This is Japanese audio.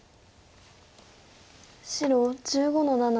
白１５の七。